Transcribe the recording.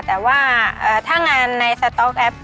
แต่ว่าถ้างานในสต๊อกแอป